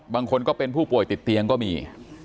บางคนก็เป็นผู้ป่วยติดเตียงก็มี